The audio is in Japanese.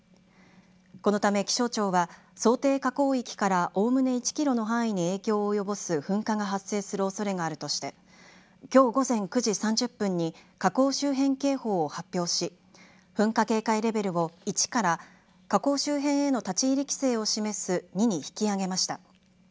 このため気象庁は想定火口域からおおむね１ｋｍの範囲に影響を及ぼす噴火が発生するおそれがあるとしてきょう午前９時３０分に火口周辺警報を発表し噴火警戒レベルを１から火口周辺への立ち入り規制を示す２に引き上げました。